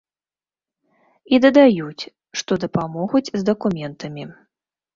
І дадаюць, што дапамогуць з дакументамі.